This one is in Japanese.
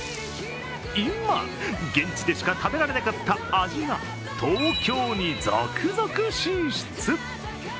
今、現地でしか食べられなかった味が東京に続々進出。